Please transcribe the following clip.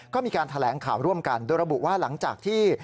ก็มีการแถลงข่าวร่วมกันโดยระบุว่าหลังจากที่